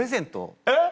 えっ！